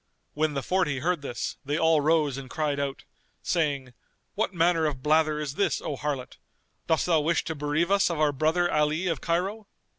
When the Forty heard this, they all rose and cried out, saying, "What manner of blather is this, O harlot? Dost thou wish to bereave us of our brother Ali of Cairo?"